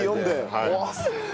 はい。